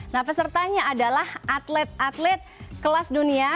nah pesertanya adalah atlet atlet kelas dunia